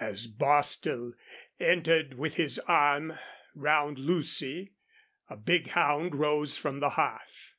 As Bostil entered with his arm round Lucy a big hound rose from the hearth.